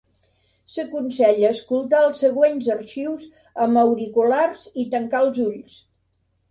S'aconsella escoltar els següents arxius amb auriculars i tancar els ulls.